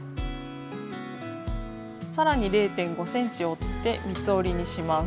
さらに０．５ｃｍ折って三つ折りにします。